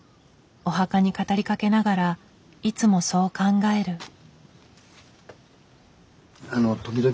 お墓に語りかけながらいつもそう考える。